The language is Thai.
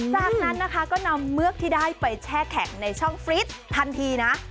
จากนั้นนะคะก็นำเมือกที่ได้ไปแช่แข็งในช่องฟริตทันทีนะ